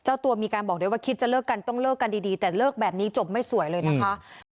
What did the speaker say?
เจ้าตัวมีการบอกด้วยว่าคิดจะเลิกกันต้องเลิกกันดีแต่เลิกแบบนี้จบไม่สวยเลยนะคะ